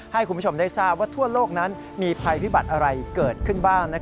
ให้คุณผู้ชมได้ทราบว่าทั่วโลกนั้นมีภัยพิบัติอะไรเกิดขึ้นบ้าง